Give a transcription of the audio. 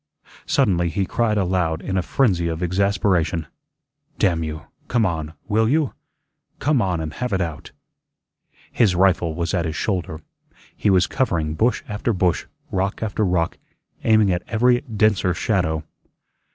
Suddenly he cried aloud in a frenzy of exasperation, "Damn you, come on, will you? Come on and have it out." His rifle was at his shoulder, he was covering bush after bush, rock after rock, aiming at every denser shadow.